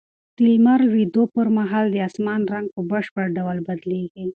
د لمر لوېدو پر مهال د اسمان رنګ په بشپړ ډول بدلېږي.